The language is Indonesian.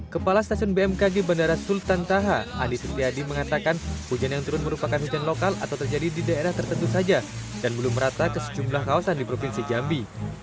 kepala stasiun bmkg bandara sultan taha adi setiadi mengatakan hujan yang turun merupakan hujan lokal atau terjadi di daerah tertentu saja dan belum merata ke sejumlah kawasan di provinsi jambi